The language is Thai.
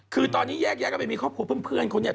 คือตอนนี้แยกย้ายกันไปมีครอบครัวเพื่อนเขาเนี่ย